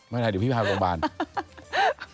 อะไรเดี๋ยวพี่พาโรงพยาบาล